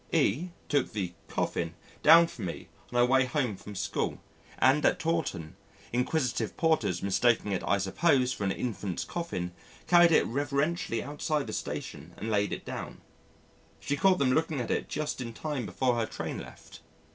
E took the "coffin" down for me on her way home from school, and at Taunton, inquisitive porters mistaking it, I suppose, for an infant's coffin carried it reverently outside the station and laid it down. She caught them looking at it just in time before her train left.